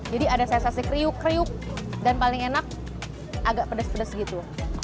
jadi ada sensasi kriuk kriuk dan paling enak agak pedes pedes gitu